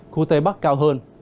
khu tây bắc cao hơn